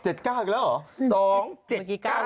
อีกแล้วเหรอ